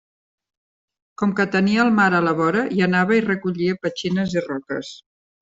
Com que tenia el mar a la vora hi anava i recollia petxines i roques.